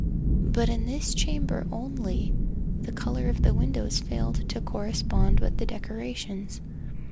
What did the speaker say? But in this chamber only, the colour of the windows failed to correspond with the decorations.